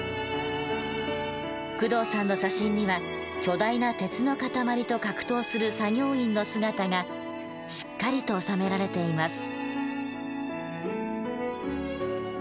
工藤さんの写真には巨大な鉄の塊と格闘する作業員の姿がしっかりと収められています。